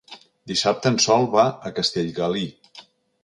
Dissabte en Sol va a Castellgalí.